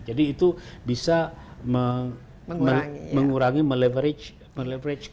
jadi itu bisa mengurangi meleverage